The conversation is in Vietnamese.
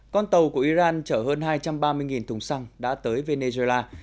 con tàu của iran chở hơn hai trăm ba mươi thùng xăng đã tới venezuela